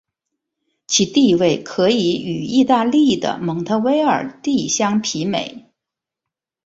其地位可以与意大利的蒙特威尔第相媲美。